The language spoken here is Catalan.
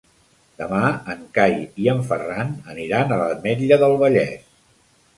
Demà en Cai i en Ferran aniran a l'Ametlla del Vallès.